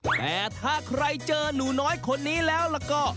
แต่ถ้าใครเจอหนูน้อยคนนี้แล้วก็